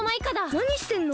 なにしてんの？